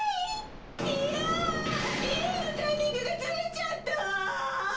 いやイエイのタイミングがずれちゃったわ。